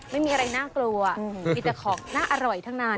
ไม่มีอะไรน่ากลัวมีแต่ของน่าอร่อยทั้งนั้น